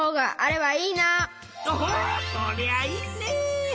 おおそりゃあいいね！